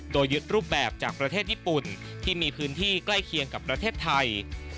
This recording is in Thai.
โดยยึดรูปแบบจากประเทศญี่ปุ่นที่มีพื้นที่ใกล้เคียงกับประเทศไทย